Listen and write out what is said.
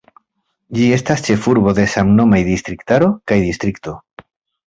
Ĝi estas ĉefurbo de samnomaj distriktaro kaj distrikto.